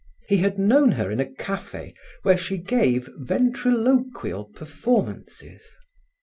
He had known her in a cafe where she gave ventriloqual performances.